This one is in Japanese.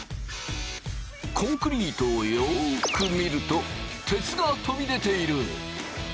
コンクリートをよく見ると鉄が飛び出ている！